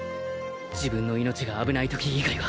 自分の命が危ないとき以外は。